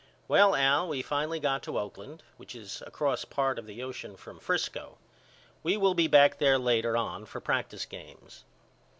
Well Al we finally got to Oakland which is across part of the ocean from Frisco. We will be back there later on for practice games.